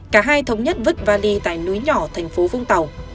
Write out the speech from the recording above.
cả hai thống nhất vứt vali tại núi nhỏ thành phố vũng tàu